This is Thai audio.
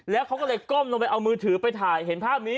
แล้วเขาก็เลยก้มลงไปเอามือถือไปถ่ายเห็นภาพนี้